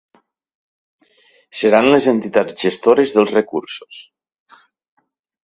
Seran les entitats gestores dels recursos.